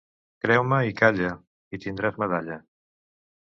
Creu-me i calla i tindràs medalla.